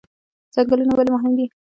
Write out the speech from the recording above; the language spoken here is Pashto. ځنګلونه ولې مهم دي؟